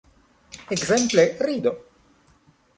Ekzemple, rido.